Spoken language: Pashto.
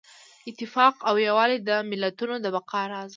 اتفاق او یووالی د ملتونو د بقا راز دی.